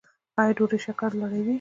ایا ډوډۍ شکر لوړوي؟